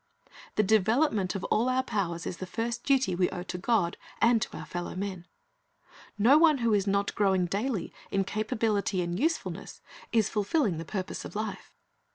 The development of all our powers is the first duty we owe to God and to our fellow men. No one who is not growing daily in capability and usefulness is fulfilling the purpose of 330 Christ's Object Lcssojts life.